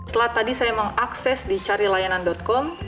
setelah tadi saya mengakses di carilayanan com